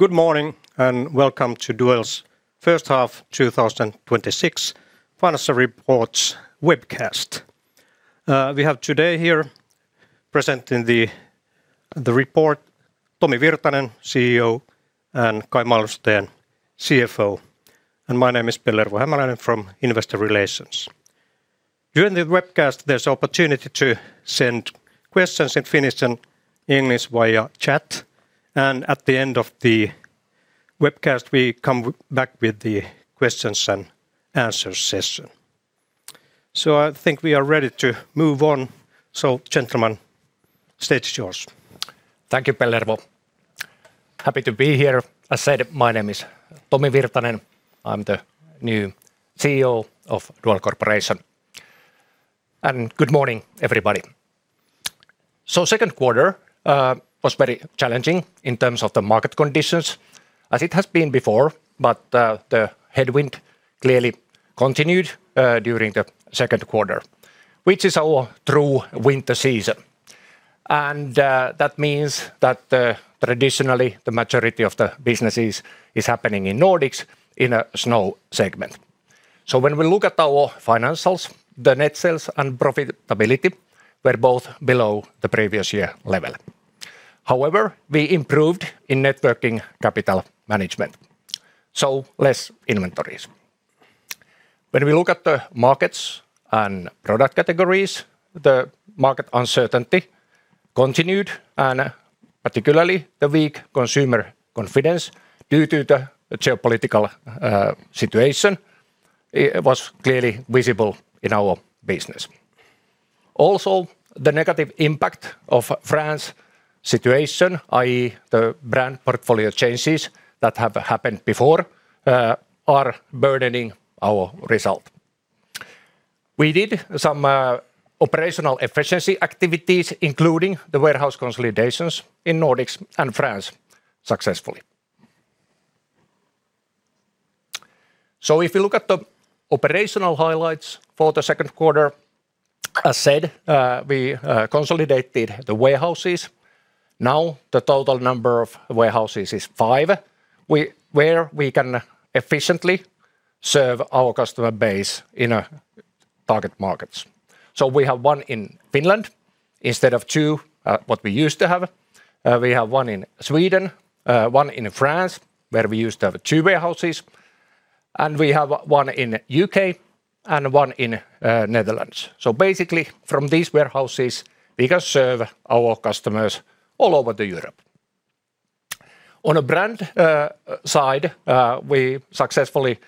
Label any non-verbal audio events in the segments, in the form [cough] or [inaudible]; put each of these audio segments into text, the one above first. Good morning and welcome to Duell's first half 2026 financial reports webcast. We have today here presenting the report Tomi Virtanen, CEO, and Caj Malmsten, CFO. My name is Pellervo Hämäläinen from Investor Relations. During the webcast, there's opportunity to send questions in Finnish and English via chat, and at the end of the webcast, we come back with the questions and answers session. I think we are ready to move on. Gentlemen, stage is yours. Thank you, Pellervo. Happy to be here. I said my name is Tomi Virtanen. I'm the new CEO of Duell Corporation. Good morning, everybody. Second quarter was very challenging in terms of the market conditions as it has been before, but the headwind clearly continued during the second quarter, which is our true winter season. That means that traditionally the majority of the businesses is happening in Nordics in a snow segment. When we look at our financials, the net sales and profitability were both below the previous year level. However, we improved in net working capital management, so less inventories. When we look at the markets and product categories, the market uncertainty continued, and particularly the weak consumer confidence due to the geopolitical situation, it was clearly visible in our business. Also, the negative impact of France situation, i.e. The brand portfolio changes that have happened before are burdening our result. We did some operational efficiency activities including the warehouse consolidations in Nordics and France successfully. If you look at the operational highlights for the second quarter, as said, we consolidated the warehouses. Now the total number of warehouses is five, where we can efficiently serve our customer base in our target markets. We have one in Finland instead of two, what we used to have. We have one in Sweden, one in France, where we used to have two warehouses. We have one in U.K. and one in Netherlands. Basically, from these warehouses, we can serve our customers all over Europe. On a brand side, we successfully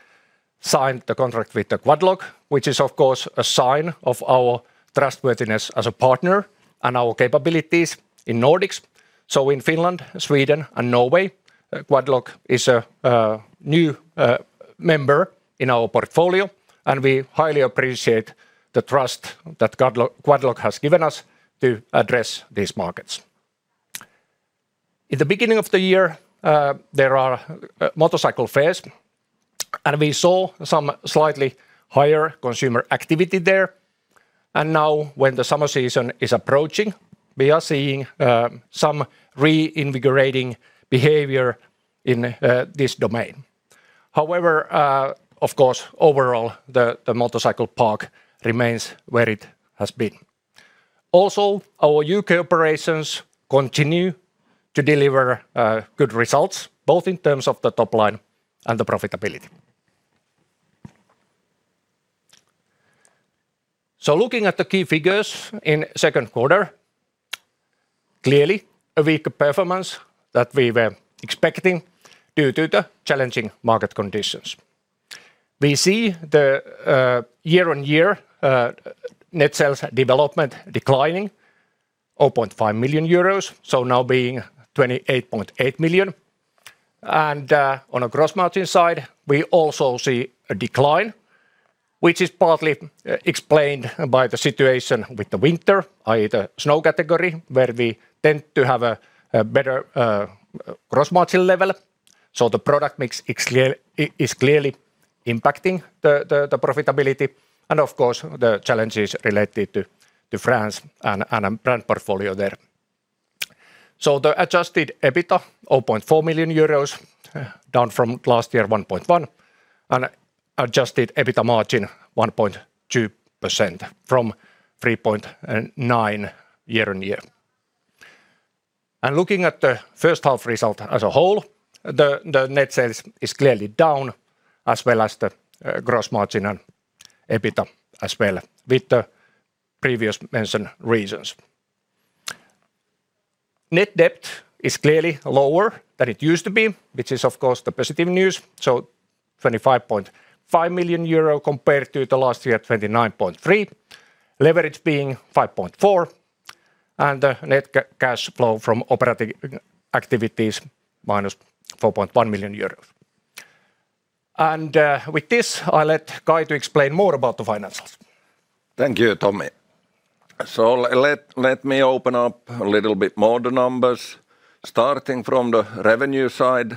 signed the contract with the Quad Lock, which is of course a sign of our trustworthiness as a partner and our capabilities in Nordics. In Finland, Sweden and Norway, Quad Lock is a new member in our portfolio, and we highly appreciate the trust that Quad Lock has given us to address these markets. In the beginning of the year, there are motorcycle fairs, and we saw some slightly higher consumer activity there. Now when the summer season is approaching, we are seeing some reinvigorating behavior in this domain. However, of course, overall, the motorcycle market remains where it has been. Also, our U.K. operations continue to deliver good results, both in terms of the top line and the profitability. Looking at the key figures in second quarter, clearly a weaker performance that we were expecting due to the challenging market conditions. We see the year-on-year net sales development declining 0.5 million euros, so now being 28.8 million. On a gross margin side, we also see a decline, which is partly explained by the situation with the winter, i.e. the snow category, where we tend to have a better gross margin level. The product mix is clearly impacting the profitability and of course, the challenges related to France and our brand portfolio there. The adjusted EBITDA, 0.4 million euros down from last year 1.1 million and adjusted EBITDA margin 1.2% from 3.9% year-on-year. Looking at the first half result as a whole, the net sales is clearly down as well as the gross margin and EBITDA as well with the previous mentioned reasons. Net debt is clearly lower than it used to be, which is of course the positive news, so 25.5 million euro compared to the last year, 29.3 million. Leverage being 5.4 and the net cash flow from operating activities -4.1 million euros. With this, I let Caj to explain more about the financials. Thank you, Tomi. Let me open up a little bit more the numbers starting from the revenue side.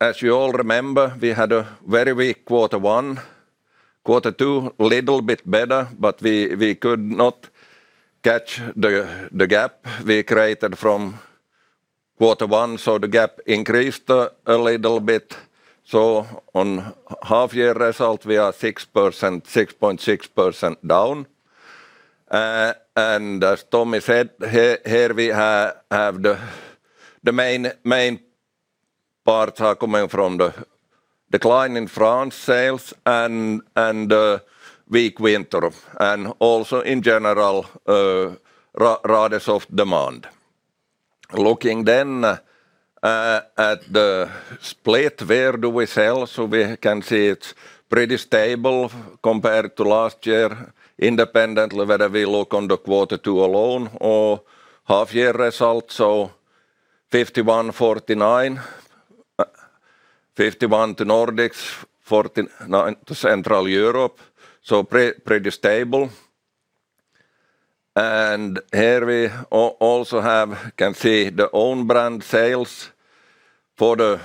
As you all remember, we had a very weak quarter one. Quarter two, a little bit better, but we could not catch the gap we created from quarter one, so the gap increased a little bit. On half-year result, we are 6.6% down. As Tomi said, here we have the main parts are coming from the decline in France sales and a weak winter. Also in general, rather soft demand. Looking then at the split, where do we sell? We can see it's pretty stable compared to last year, independently whether we look on the quarter two alone or half-year results. 51/49. 51 to Nordics, 49 to Central Europe. Pretty stable. Here we also can see the own brand sales for the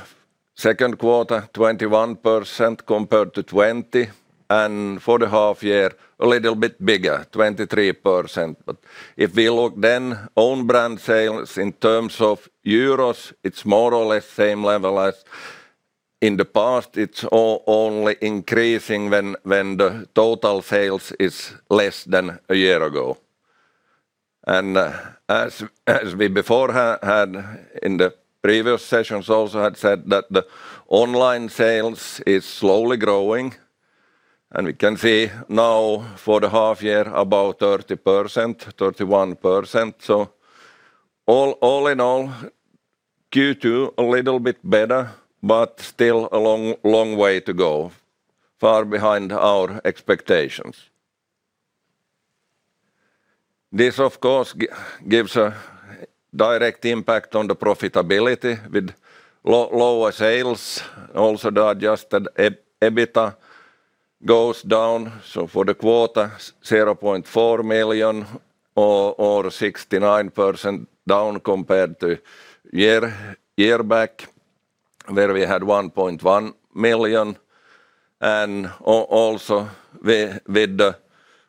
second quarter, 21% compared to 20%. For the half year, a little bit bigger, 23%. If we look then own brand sales in terms of euros, it's more or less same level as in the past. It's only increasing when the total sales is less than a year ago. As we before had in the previous sessions also had said that the online sales is slowly growing, and we can see now for the half year about 30%, 31%. All in all, Q2 a little bit better, but still a long way to go. Far behind our expectations. This, of course, gives a direct impact on the profitability with lower sales. Also, the adjusted EBITDA goes down. For the quarter, 0.4 million or 69% down compared to a year back, where we had 1.1 million. Also with the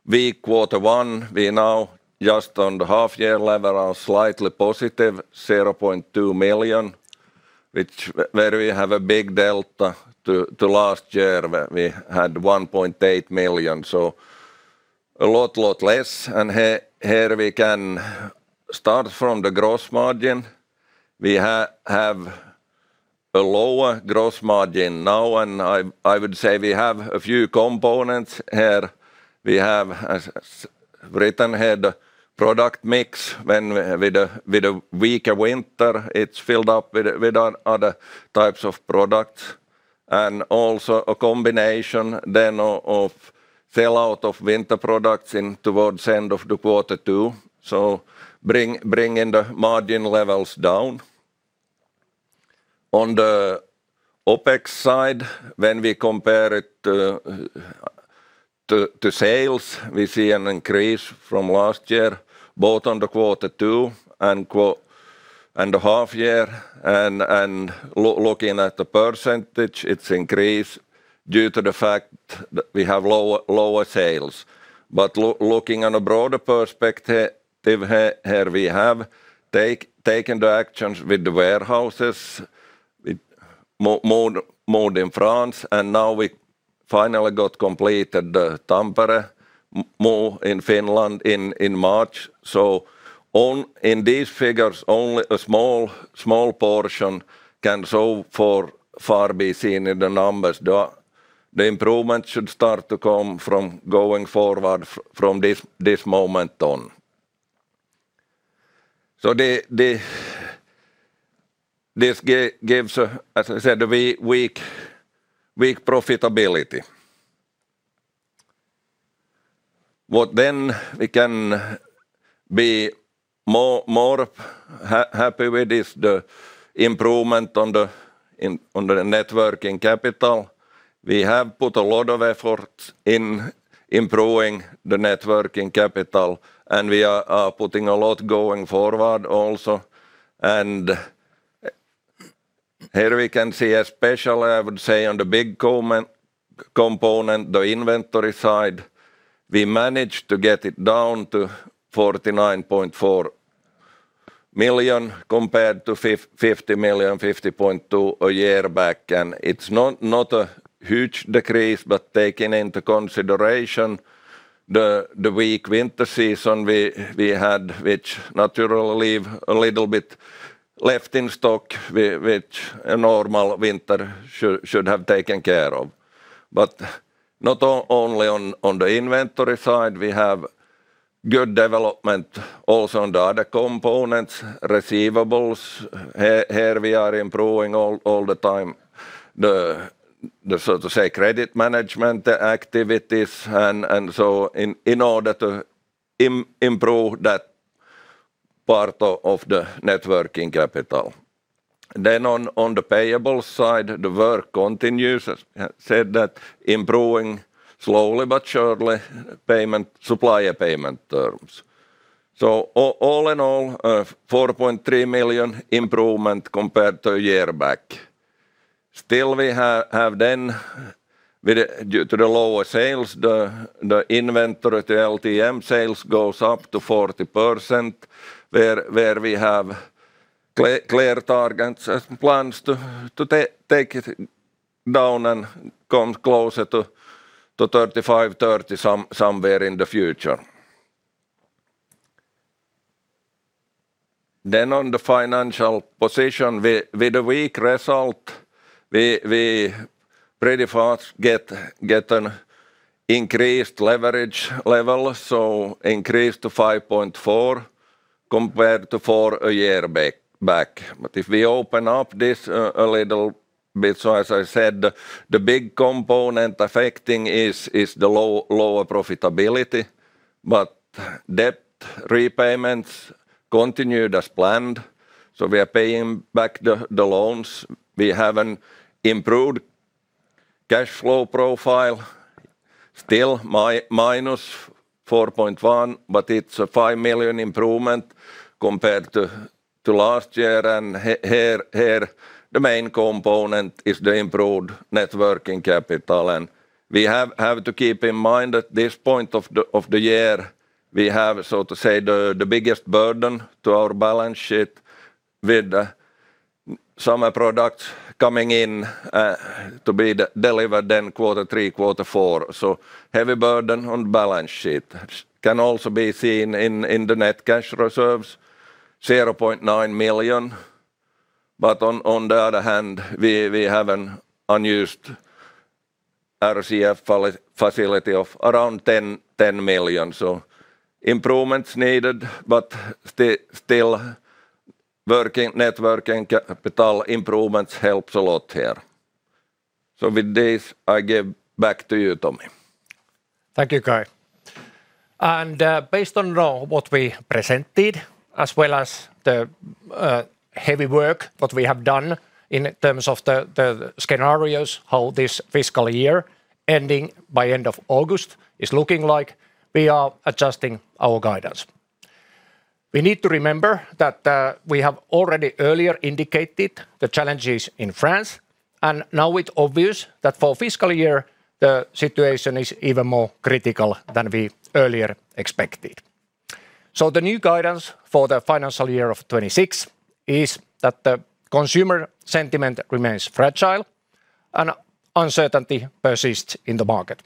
weak quarter one, we now just on the half year level are slightly positive, 0.2 million. Where we have a big delta to last year where we had 1.8 million. A lot less. Here we can start from the gross margin. We have a lower gross margin now, and I would say we have a few components here. We have, as written here, the product mix with a weaker winter, it's filled up with other types of products. Also a combination then of sell-out of winter products towards the end of the quarter, too. Bringing the margin levels down. On the OpEx side, when we compare it to sales, we see an increase from last year, both on the quarter two and the half year. Looking at the percentage, it's increased due to the fact that we have lower sales. Looking on a broader perspective here, we have taken the actions with the warehouses. We moved in France, and now we finally got completed the Tampere move in Finland in March. In these figures, only a small portion can so far be seen in the numbers. The improvement should start to come from going forward from this moment on. This gives, as I said, a weak profitability. What then we can be more happy with is the improvement on the net working capital. We have put a lot of effort in improving the net working capital, and we are putting a lot going forward also. Here we can see especially, I would say, on the big component, the inventory side. We managed to get it down to 49.4 million compared to 50 million, 50.2 million a year back. It's not a huge decrease, but taking into consideration the weak winter season we had, which naturally leave a little bit left in stock, which a normal winter should have taken care of. Not only on the inventory side, we have good development also on the other components. Receivables, here we are improving all the time the, so to say, credit management activities, and so in order to improve that part of the net working capital. On the payable side, the work continues. As I said that improving slowly but surely supplier payment terms. All in all, 4.3 million improvement compared to a year back. We have, due to the lower sales, the inventory to LTM sales goes up to 40%, where we have clear targets and plans to take it down and come closer to 35%, 30% somewhere in the future. On the financial position, with the weak result, we pretty fast get an increased leverage level. Increased to 5.4 compared to 4 a year back. If we open up this a little bit, so as I said, the big component affecting is the lower profitability, but debt repayments continued as planned, so we are paying back the loans. We have an improved cash flow profile. Still, -4.1 million, but it's a 5 million improvement compared to last year. Here, the main component is the improved net working capital. We have to keep in mind that this point of the year, we have, so to say, the biggest burden to our balance sheet with summer products coming in to be delivered in quarter three, quarter four. Heavy burden on balance sheet can also be seen in the net cash reserves, 0.9 million. On the other hand, we have an unused RCF facility of around 10 million. Improvements needed, but still, working net working capital improvements helps a lot here. With this, I give back to you, Tomi. Thank you, Caj. Based on now what we presented, as well as the heavy work that we have done in terms of the scenarios, how this fiscal year ending by end of August is looking like, we are adjusting our guidance. We need to remember that we have already earlier indicated the challenges in France, and now it's obvious that for fiscal year, the situation is even more critical than we earlier expected. The new guidance for the financial year of 2026 is that the consumer sentiment remains fragile and uncertainty persists in the market.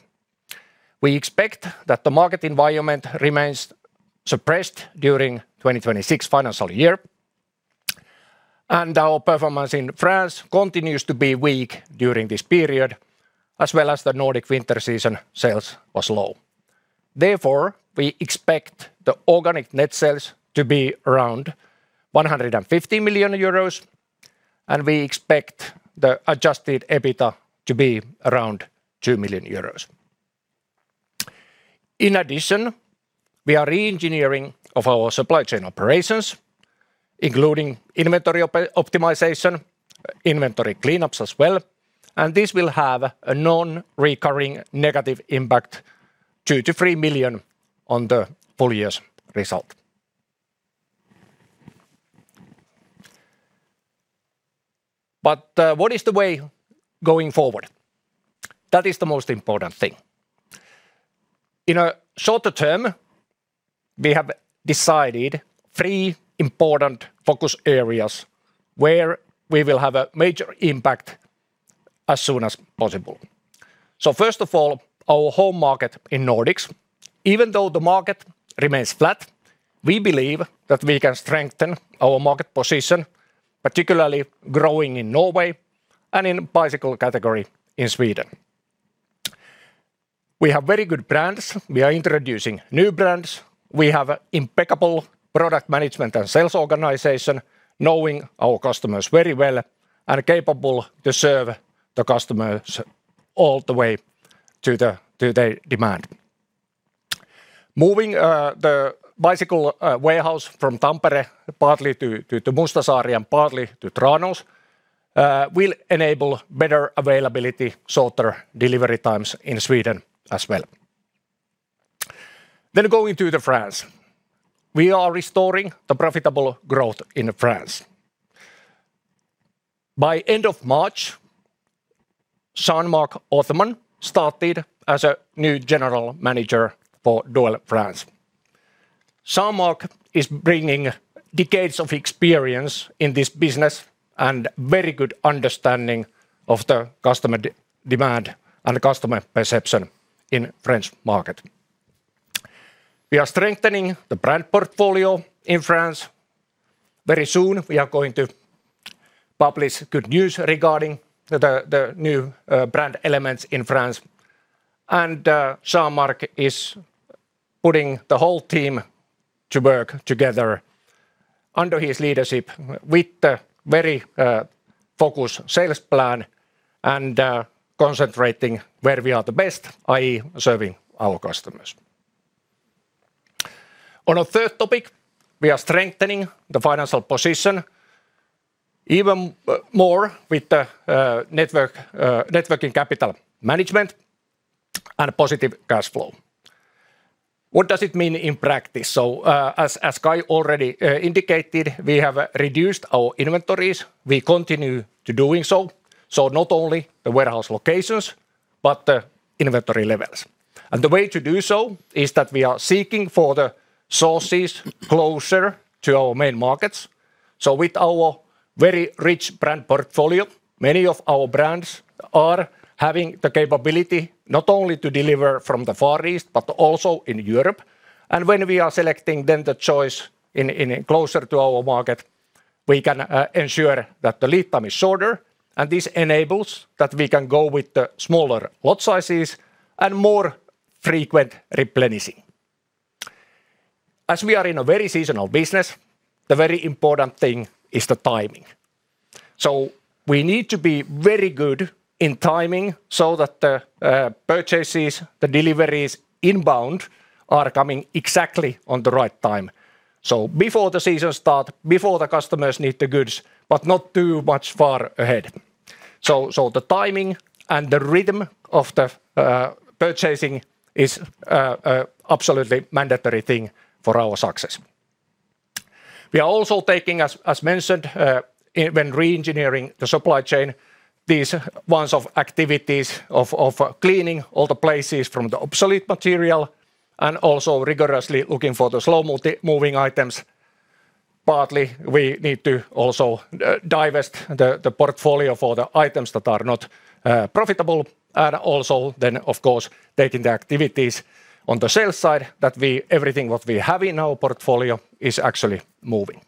We expect that the market environment remains suppressed during 2026 financial year, and our performance in France continues to be weak during this period, as well as the Nordic winter season sales was low. Therefore, we expect the organic net sales to be around 150 million euros, and we expect the adjusted EBITDA to be around 2 million euros. In addition, we are re-engineering our supply chain operations, including inventory optimization, inventory cleanups as well, and this will have a non-recurring negative impact 2 million-3 million on the full year's result. What is the way going forward? That is the most important thing. In a shorter term, we have decided three important focus areas where we will have a major impact as soon as possible. First of all, our home market in Nordics. Even though the market remains flat, we believe that we can strengthen our market position, particularly growing in Norway and in bicycle category in Sweden. We have very good brands. We are introducing new brands. We have impeccable product management and sales organization, knowing our customers very well and capable to serve the customers all the way to their demand. Moving the bicycle warehouse from Tampere partly to Mustasaari and partly to Tranås will enable better availability, shorter delivery times in Sweden as well. Going to France. We are restoring the profitable growth in France. By the end of March, Jean-Marc Othman started as a new General Manager for Duell France. Jean-Marc is bringing decades of experience in this business and very good understanding of the customer demand and customer perception in French market. We are strengthening the brand portfolio in France. Very soon, we are going to publish good news regarding the new brand elements in France. Jean-Marc is putting the whole team to work together under his leadership with a very focused sales plan and concentrating where we are the best, i.e., serving our customers. On a third topic, we are strengthening the financial position even more with the net working capital management and positive cash flow. What does it mean in practice? As Caj already indicated, we have reduced our inventories. We continue to do so, not only the warehouse locations but the inventory levels. The way to do so is that we are seeking for the sources closer to our main markets. With our very rich brand portfolio, many of our brands are having the capability not only to deliver from the Far East but also in Europe. When we are selecting, then the choice is closer to our market, we can ensure that the lead time is shorter and this enables that we can go with the smaller lot sizes and more frequent replenishing. As we are in a very seasonal business, the very important thing is the timing. We need to be very good in timing so that the purchases, the deliveries inbound, are coming exactly on the right time. Before the season start, before the customers need the goods, but not too much far ahead. The timing and the rhythm of the purchasing is absolutely mandatory thing for our success. We are also taking, as mentioned, when re-engineering the supply chain, these kinds of activities of cleaning all the places from the obsolete material and also rigorously looking for the slow-moving items. Partly, we need to also divest the portfolio for the items that are not profitable. Also then of course, taking the activities on the sales side that everything that we have in our portfolio is actually moving.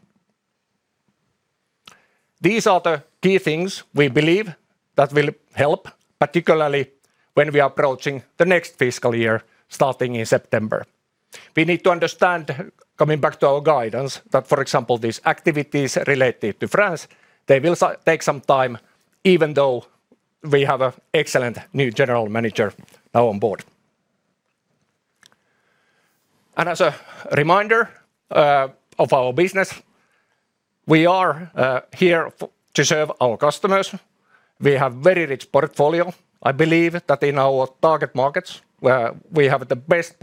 These are the key things we believe that will help, particularly when we are approaching the next fiscal year starting in September. We need to understand, coming back to our guidance, that for example, these activities related to France, they will take some time even though we have an excellent new General Manager now on board. As a reminder of our business, we are here to serve our customers. We have very rich portfolio. I believe that in our target markets, we have the best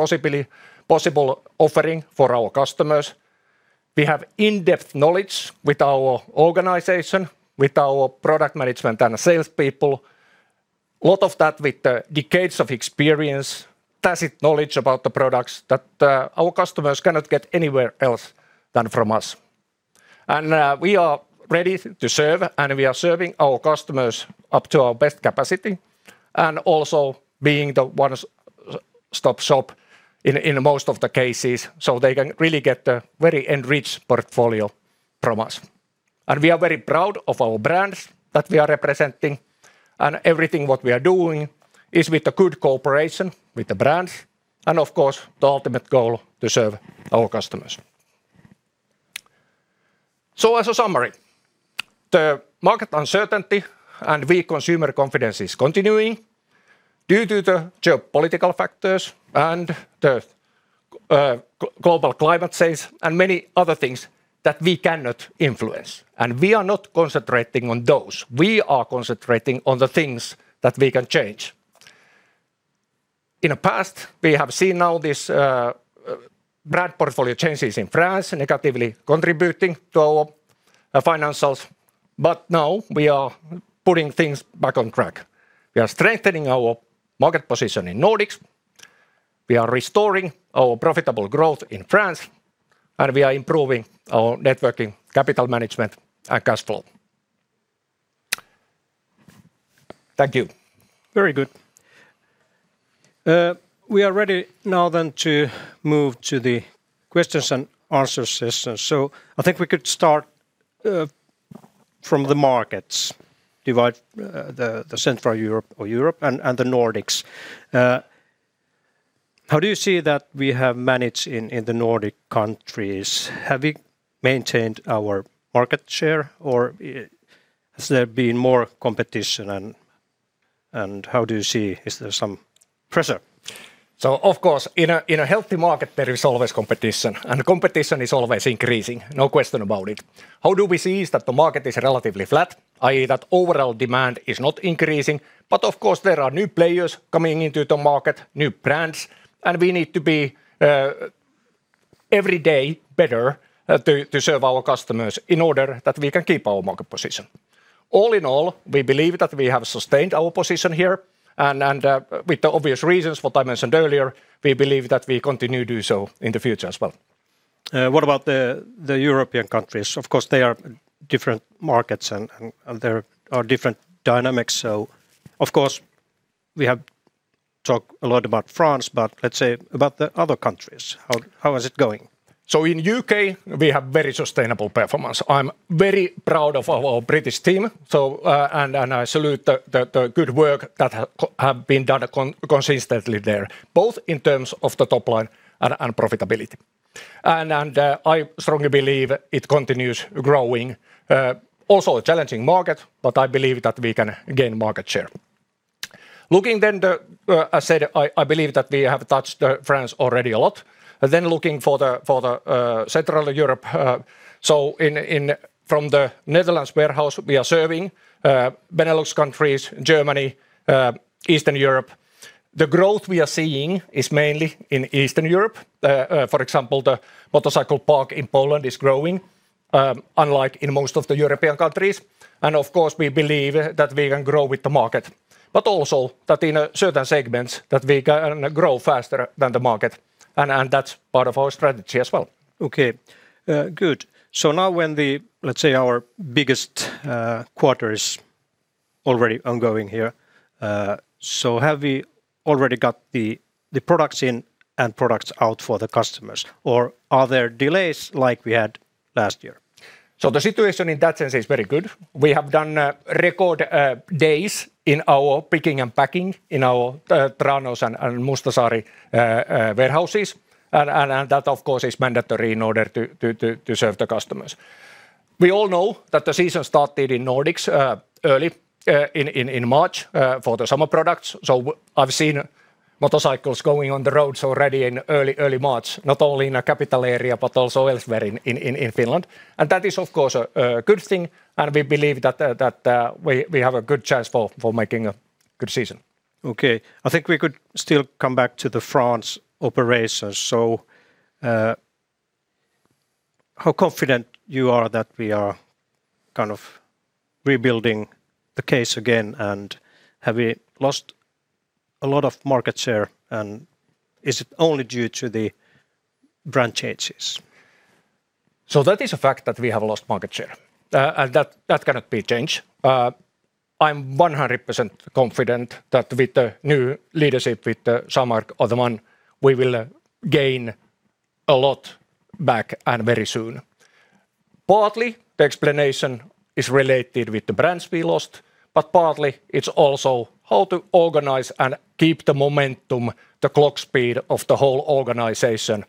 possible offering for our customers. We have in-depth knowledge with our organization, with our product management and sales people. Lot of that with the decades of experience, tacit knowledge about the products that our customers cannot get anywhere else than from us. We are ready to serve, and we are serving our customers up to our best capacity, and also being the one-stop shop in most of the cases, so they can really get the very enriched portfolio from us. We are very proud of our brands that we are representing, and everything what we are doing is with the good cooperation with the brands, and of course, the ultimate goal to serve our customers. As a summary, the market uncertainty and weak consumer confidence is continuing due to the geopolitical factors and the global climate change and many other things that we cannot influence. We are not concentrating on those. We are concentrating on the things that we can change. In the past, we have seen now this brand portfolio changes in France negatively contributing to our financials, but now we are putting things back on track. We are strengthening our market position in Nordics. We are restoring our profitable growth in France, and we are improving our net working capital management and cash flow. Thank you. Very good. We are ready now then to move to the questions and answer session. I think we could start from the markets. Divide the Central Europe or Europe and the Nordics. How do you see that we have managed in the Nordic countries? Have we maintained our market share, or has there been more competition and how do you see, is there some pressure? Of course, in a healthy market, there is always competition, and competition is always increasing, no question about it. How do we see is that the market is relatively flat, i.e., that overall demand is not increasing. Of course, there are new players coming into the market, new brands, and we need to be every day better to serve our customers in order that we can keep our market position. All in all, we believe that we have sustained our position here and with the obvious reasons what I mentioned earlier, we believe that we continue to do so in the future as well. What about the European countries? Of course, they are different markets and there are different dynamics. Of course, we have talked a lot about France, but let's say about the other countries. How is it going? In U.K., we have very sustainable performance. I'm very proud of our British team. I salute the good work that has been done consistently there, both in terms of the top line and profitability. I strongly believe it continues growing in a challenging market, but I believe that we can gain market share. Looking, I believe that we have touched on France already a lot. Looking at Central Europe. From the Netherlands warehouse, we are serving Benelux countries, Germany, Eastern Europe. The growth we are seeing is mainly in Eastern Europe. For example, the motorcycle parts in Poland are growing unlike in most of the European countries. Of course, we believe that we can grow with the market, but also that in certain segments that we can grow faster than the market and that's part of our strategy as well. Okay, good. Now when the, let's say our biggest quarter is already ongoing here. Have we already got the products in and products out for the customers or are there delays like we had last year? The situation in that sense is very good. We have done record days in our picking and packing in our Tranås and Mustasaari warehouses and that of course is mandatory in order to serve the customers. We all know that the season started in Nordics early in March for the summer products. I've seen motorcycles going on the roads already in early March. Not only in the capital area, but also elsewhere in Finland. That is of course a good thing, and we believe that we have a good chance for making a good season. Okay. I think we could still come back to the France operations. How confident you are that we are kind of rebuilding the case again and have we lost a lot of market share and is it only due to the brand changes? That is a fact that we have lost market share, and that cannot be changed. I'm 100% confident that with the new leadership, with Jean-Marc Othman, we will gain a lot back and very soon. Partly the explanation is related with the brands we lost, but partly it's also how to organize and keep the momentum, the clock speed of the whole organization,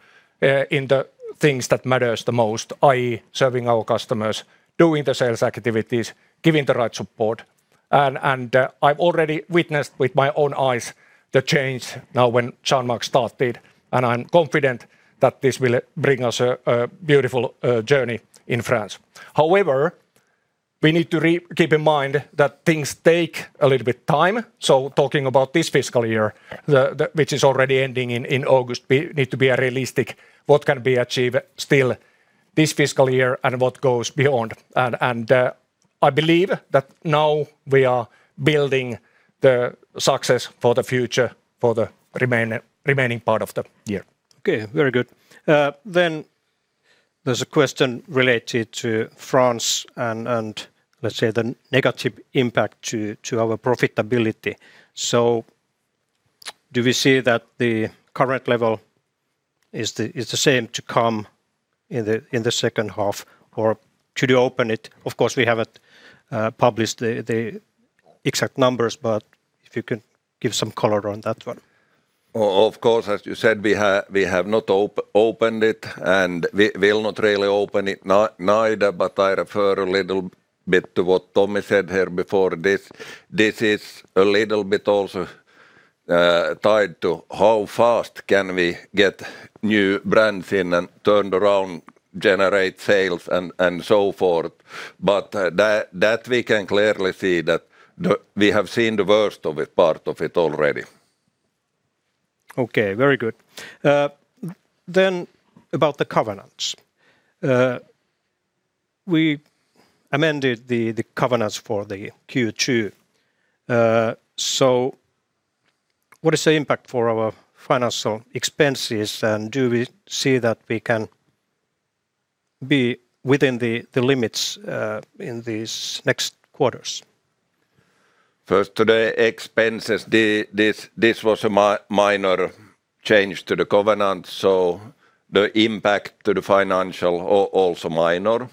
in the things that matters the most, i.e. serving our customers, doing the sales activities, giving the right support. I've already witnessed with my own eyes the change now when Jean-Marc started, and I'm confident that this will bring us a beautiful journey in France. However, we need to keep in mind that things take a little bit time. Talking about this fiscal year, which is already ending in August, we need to be realistic what can be achieved still this fiscal year and what goes beyond. I believe that now we are building the success for the future for the remaining part of the year. Okay. Very good. There's a question related to France and let's say the negative impact to our profitability. Do we see that the current level is the same to come in the second half? Or should you open it? Of course, we haven't published the exact numbers, but if you can give some color on that one. Of course, as you said, we have not opened it and we will not really open it neither, but I refer a little bit to what Tomi said here before this. This is a little bit also tied to how fast can we get new brands in and turned around, generate sales, and so forth. That we can clearly see that we have seen the worst of it, part of it already. Okay, very good. About the covenants. We amended the covenants for the Q2. What is the impact for our financial expenses, and do we see that we can be within the limits in these next quarters? First to the expenses, this was a minor change to the covenant, so the impact to the financials are also minor.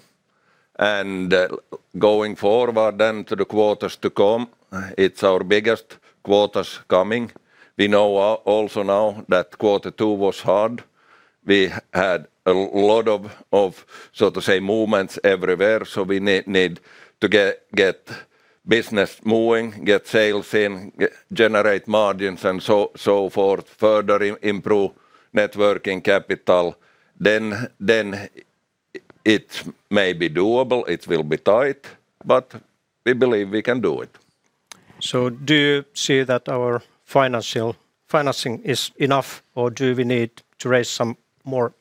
Going forward then to the quarters to come, it's our biggest quarters coming. We know also now that quarter two was hard. We had a lot of, so to say, movements everywhere. We need to get business moving, get sales in, generate margins and so forth, further improve net working capital. It may be doable. It will be tight, but we believe we can do it. Do you see that our financing is enough or do we need to raise some more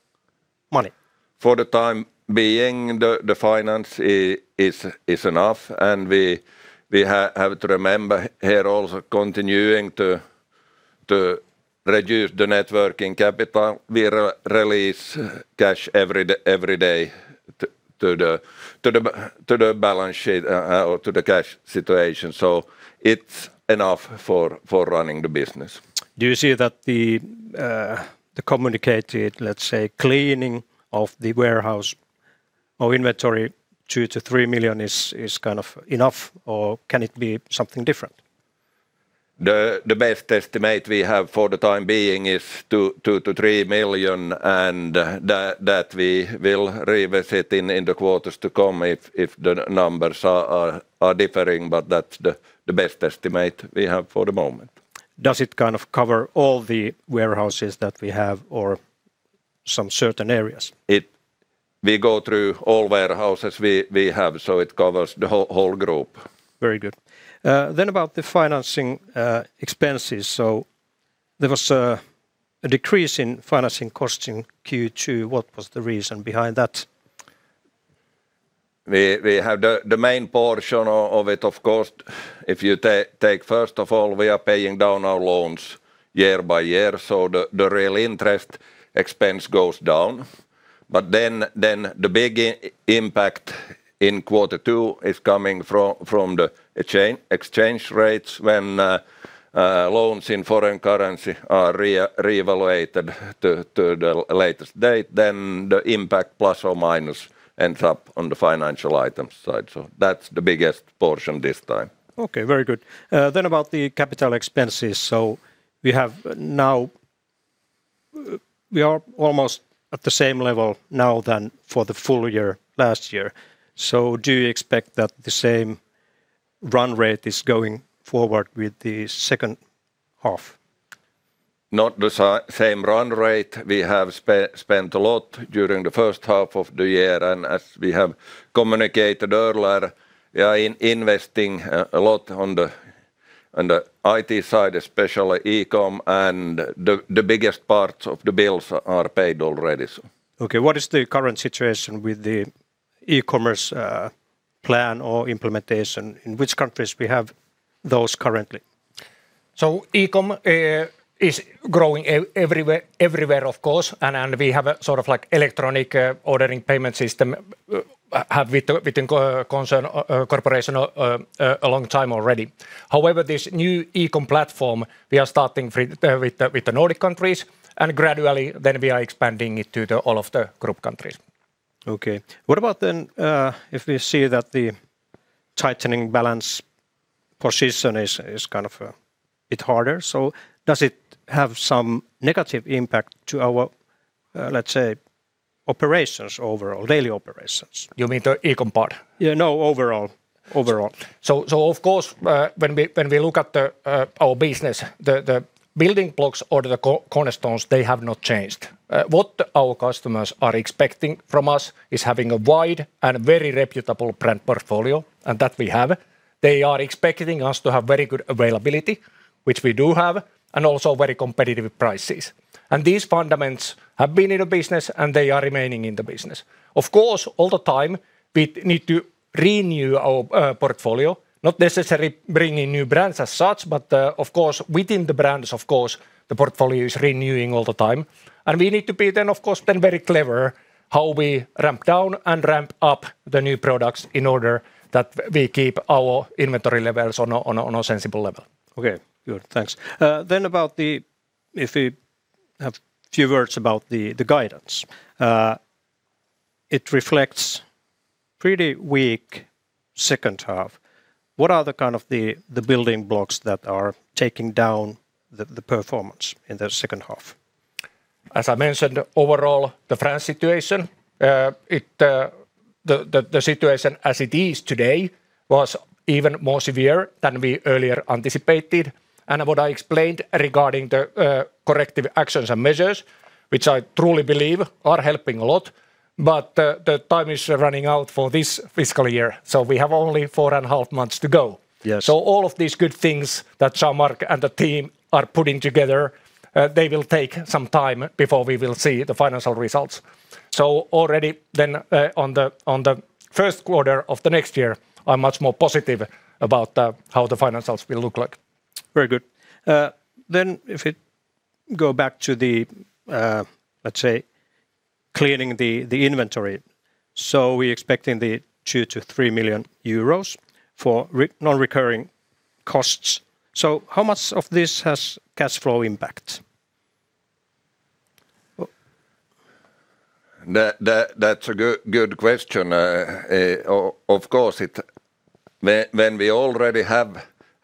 money? For the time being, the financing is enough, and we have to remember here also continuing to reduce the net working capital. We release cash every day to the balance sheet or to the cash position. It's enough for running the business. Do you see that the communicated, let's say, cleaning of the warehouse or inventory 2 million-3 million is kind of enough or can it be something different? The best estimate we have for the time being is 2 million-3 million, and that we will revisit in the quarters to come if the numbers are differing, but that's the best estimate we have for the moment. Does it kind of cover all the warehouses that we have or some certain areas? We go through all warehouses we have, so it covers the whole group. Very good. About the financing expenses. There was a decrease in financing costs in Q2. What was the reason behind that? The main portion of it, of course, if you take first of all, we are paying down our loans year by year, so the real interest expense goes down. The big impact in quarter two is coming from the exchange rates when loans in foreign currency are reevaluated to the latest date. The impact plus or minus ends up on the financial items side. That's the biggest portion this time. Okay, very good. About the capital expenses. We are almost at the same level now as for the full year last year. Do you expect that the same run rate is going forward with the second half? Not the same run rate. We have spent a lot during the first half of the year, and as we have communicated earlier, we are investing a lot on the IT side, especially e-com, and the biggest parts of the bills are paid already. Okay, what is the current situation with the e-commerce plan or implementation? In which countries we have those currently? E-com is growing everywhere, of course, and we have electronic ordering and payment system within the Corporation a long time already. However, this new e-com platform, we are starting with the Nordic countries, and gradually then we are expanding it to all of the group countries. Okay. What about then if we see that the tightening balance position is a bit harder? Does it have some negative impact to our, let's say, operations overall, daily operations? You mean the e-com part? Yeah, no, overall. Of course, when we look at our business, the building blocks or the cornerstones, they have not changed. What our customers are expecting from us is having a wide and very reputable brand portfolio, and that we have. They are expecting us to have very good availability, which we do have, and also very competitive prices. These fundamentals have been in the business, and they are remaining in the business. Of course, all the time we need to renew our portfolio, not necessarily bringing new brands as such, but of course, within the brands, of course, the portfolio is renewing all the time. We need to be then, of course, very clever how we ramp down and ramp up the new products in order that we keep our inventory levels on a sensible level. Okay, good. Thanks. If you have few words about the guidance. It reflects pretty weak second half. What are the building blocks that are taking down the performance in the second half? As I mentioned, overall, the France situation, the situation as it is today was even more severe than we earlier anticipated. What I explained regarding the corrective actions and measures, which I truly believe are helping a lot, but the time is running out for this fiscal year. We have only four and a half months to go. Yes. All of these good things that Jean-Marc and the team are putting together, they will take some time before we will see the financial results. Already then on the first quarter of the next year, I'm much more positive about how the financials will look like. Very good. If it go back to the, let's say, cleaning the inventory. We expecting the 2 million-3 million euros for non-recurring costs. How much of this has cash flow impact? That's a good question. Of course, when we already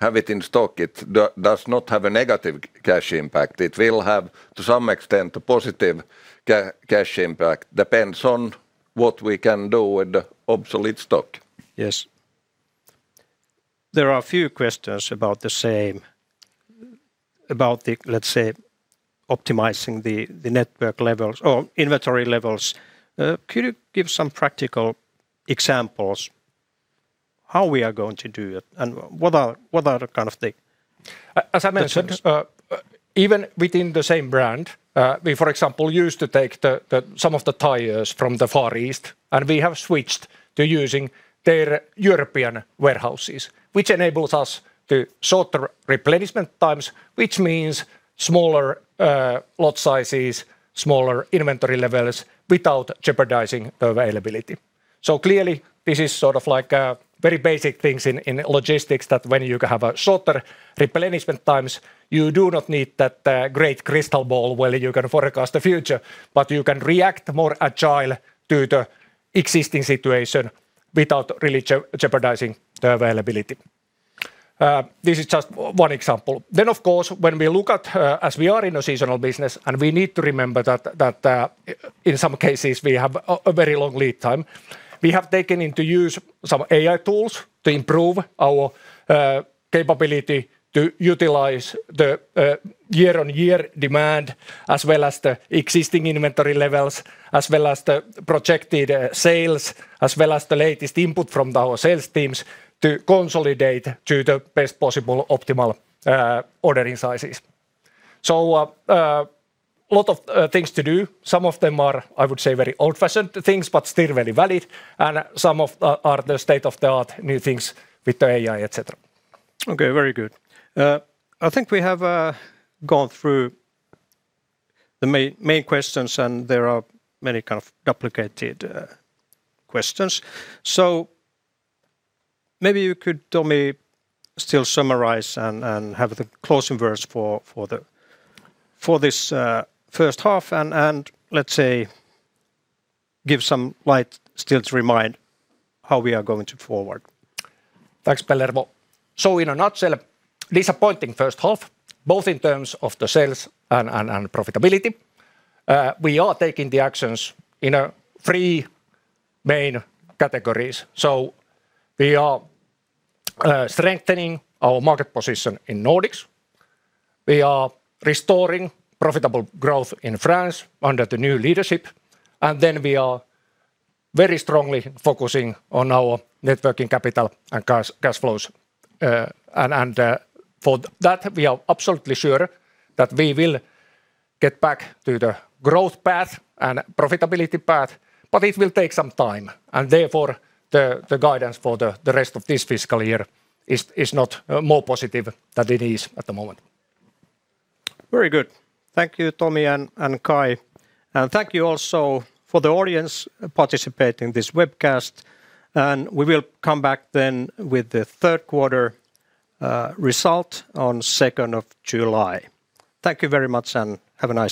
have it in stock, it does not have a negative cash impact. It will have, to some extent, a positive cash impact. It depends on what we can do with the obsolete stock. Yes. There are a few questions about the same, let's say, optimizing the network levels or inventory levels. Could you give some practical examples how we are going to do it and what are the kind of the. As I mentioned. [crosstalk] Even within the same brand, we, for example, used to take some of the tires from the Far East, and we have switched to using their European warehouses, which enables us to shorter replenishment times, which means smaller lot sizes, smaller inventory levels without jeopardizing the availability. Clearly, this is very basic things in logistics, that when you can have shorter replenishment times, you do not need that great crystal ball where you can forecast the future, but you can react more agile to the existing situation without really jeopardizing the availability. This is just one example. Of course, when we look at, as we are in a seasonal business and we need to remember that in some cases we have a very long lead time. We have taken into use some AI tools to improve our capability to utilize the year-on-year demand, as well as the existing inventory levels, as well as the projected sales, as well as the latest input from our sales teams to consolidate to the best possible optimal ordering sizes. A lot of things to do. Some of them are, I would say, very old-fashioned things, but still very valid, and some are the state-of-the-art new things with the AI, et cetera. Okay, very good. I think we have gone through the main questions and there are many kind of duplicated questions. Maybe you could, Tomi, still summarize and have the closing words for this first half and, let's say, give some light still to remind how we are going forward. Thanks, Pellervo. In a nutshell, disappointing first half, both in terms of the sales and profitability. We are taking the actions in three main categories. We are strengthening our market position in Nordics. We are restoring profitable growth in France under the new leadership. We are very strongly focusing on our net working capital and cash flows. For that, we are absolutely sure that we will get back to the growth path and profitability path, but it will take some time, and therefore the guidance for the rest of this fiscal year is not more positive than it is at the moment. Very good. Thank you, Tomi and Caj. Thank you also for the audience participating in this webcast. We will come back then with the third quarter result on 2nd of July. Thank you very much and have a nice day.